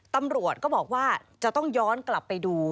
ตำรวจก็บอกว่าจะต้องย้อนกลับไปดู